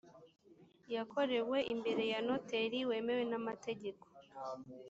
yakorewe imbere ya noteri wemewe n amategeko